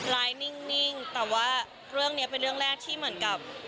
นิ่งแต่ว่าเรื่องนี้เป็นเรื่องแรกที่เหมือนกับ